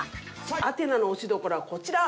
アテナの推しどころはこちら。